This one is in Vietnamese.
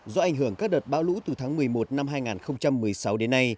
do ảnh hưởng các đợt bão lũ từ tháng một mươi một năm hai nghìn một mươi sáu đến nay